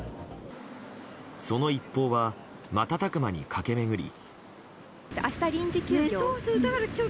その一報は瞬く間に駆け巡り。